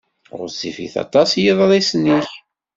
Ɣezzifit aṭas yeḍrisen-ik.